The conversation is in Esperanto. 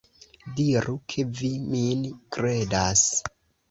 Diru ke vi min kredas.